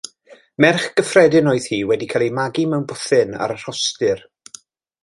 Merch gyffredin oedd hi wedi cael ei magu mewn bwthyn ar y rhostir.